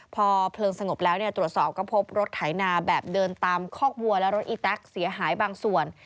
พอเพลิงสงบแล้วตรวจสอบก็พบรถไถนาแบบเดินตามคอกวัวและรถอีแต๊กเสียหายบางส่วน